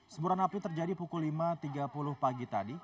semburan api terjadi pukul lima tiga puluh pagi tadi